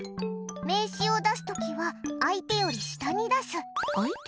名刺を出す時は相手より下に出す。